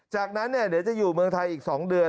จากนั้นเดี๋ยวจะอยู่เมืองไทยอีก๒เดือน